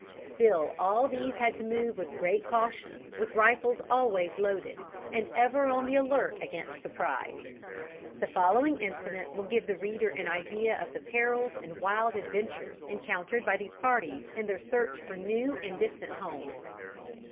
Still all these had to move with great caution, with rifles always loaded, and ever on the alert against surprise. The following incident will give the reader an idea of the perils and wild adventures encountered by these parties in their search for new and distant homes.